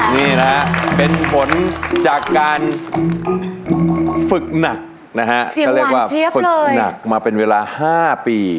นี่นะฮะเป็นผลจากการฝึกหนักนะฮะเขาเรียกว่าฝึกหนักมาเป็นเวลา๕ปี